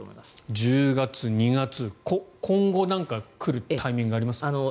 １０月、２月今後何か来るタイミングはありますか？